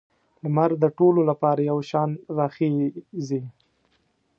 لمر د ټولو لپاره یو شان راخیږي.